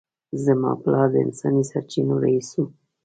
زما پلار د انساني سرچینو رییس و